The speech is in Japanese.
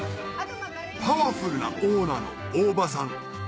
パワフルなオーナーの大場さん